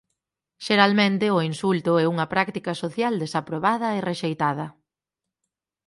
Xeralmente o insulto é unha práctica social desaprobada e rexeitada.